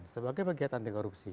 sebagai pegiat anti korupsi